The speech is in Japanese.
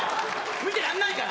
見てらんないから！